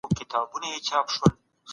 د تاریخ تېروتنې باید تکرار نه سي.